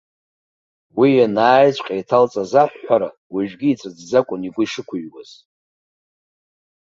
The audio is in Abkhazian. Уи, ианааиҵәҟьа иҭалҵаз аҳәҳәара, уажәгьы, иҵәыҵәӡа акәын игәы ишықәыҩуаз.